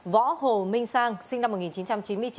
võ hồ minh sang sinh năm một nghìn chín trăm chín mươi chín